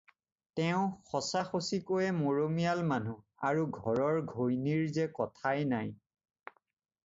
তেওঁ সঁচাসঁচিকৈয়ে মৰমীয়াল মানুহ আৰু ঘৰৰ ঘৈণীৰ যে কথাই নাই।